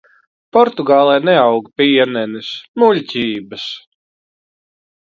Portugālē neaug pienenes, muļķības!